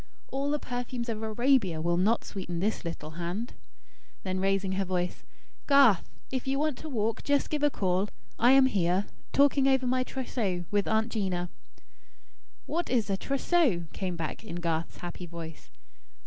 'All the perfumes of Arabia will not sweeten this little hand.'" Then, raising her voice: "Garth, if you want to walk, just give a call. I am here, talking over my trousseau with Aunt 'Gina." "What is a trousseau?" came back in Garth's happy voice.